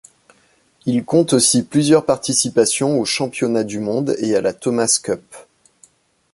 Il compte aussi plusieurs participations aux championnats du monde et à la Thomas Cup.